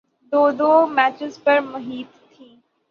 دو دو میچز پہ محیط تھیں۔